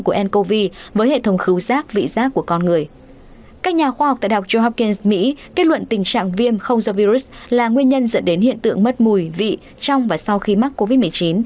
các nhà khoa học tại đọc johns mỹ kết luận tình trạng viêm không do virus là nguyên nhân dẫn đến hiện tượng mất mùi vị trong và sau khi mắc covid một mươi chín